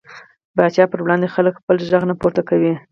پاچا پر وړاندې خلک خپل غږ نه پورته کوي .